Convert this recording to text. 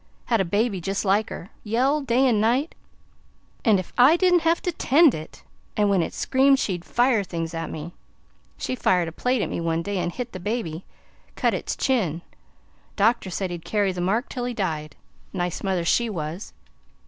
Had a baby just like her, yell day 'n' night! An' if I didn't have to 'tend it! an' when it screamed, she'd fire things at me. She fired a plate at me one day, an' hit the baby cut its chin. Doctor said he'd carry the mark till he died. A nice mother she was!